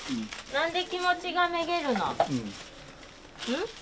なんで気持ちがめげるの？